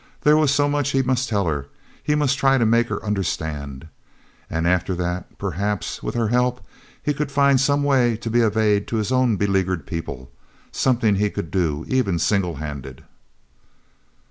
There was so much he must tell her. He must try to make her understand. And after that, perhaps, with her help, he could find some way to be of aid to his own beleaguered people—something he could do even single handed.